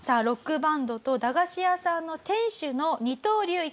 ロックバンドと駄菓子屋さんの店主の二刀流